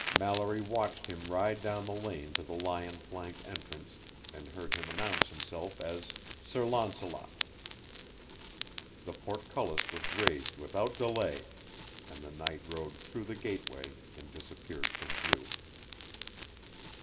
Mallory watched him ride down the lane to the lion flanked entrance and heard him announce himself as "Sir Launcelot". The portcullis was raised without delay, and the knight rode through the gateway and disappeared from view.